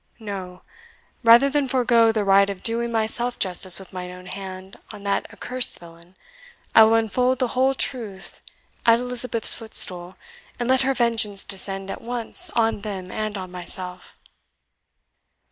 No; rather than forego the right of doing myself justice with my own hand on that accursed villain, I will unfold the whole truth at Elizabeth's footstool, and let her vengeance descend at once on them and on myself."